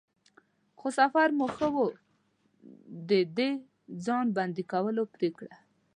خو سفر مو ښه و، د د ځان بندی کولو پرېکړه.